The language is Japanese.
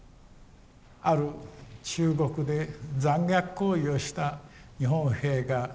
ある中国で残虐行為をした日本兵がいます。